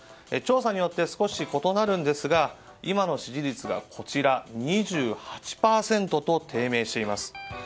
調査によって少し異なるんですが今の支持率が２８％と低迷しています。